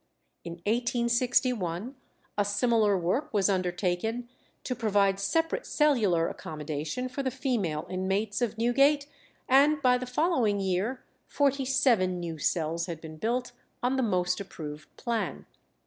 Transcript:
In 1861 a similar work was undertaken to provide separate cellular accommodation for the female inmates of Newgate, and by the following year forty seven new cells had been built on the most approved plan.